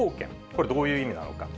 これ、どういう意味なのか。